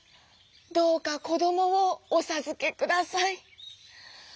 どうかこどもをおさずけください」。